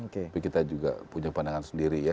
tapi kita juga punya pandangan sendiri ya